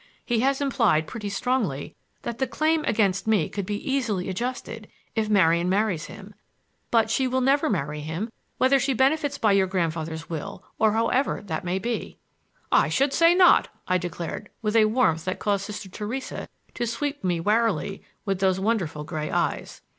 He has implied pretty strongly that the claim against me could be easily adjusted if Marian marries him. But she will never marry him, whether she benefits by your grandfather's will or however that may be!" "I should say not," I declared with a warmth that caused Sister Theresa to sweep me warily with those wonderful gray eyes.